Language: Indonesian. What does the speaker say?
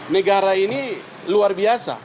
negara ini luar biasa